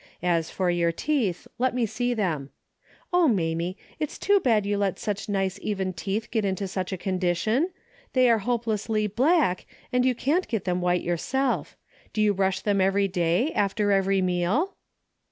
As for your teeth, let me see them. Oh, Mamie, it's too bad to let such nice even teeth get into such a condition. They are hopelessly black, and you can't get them white yourself. Do you brush them every day, after every meal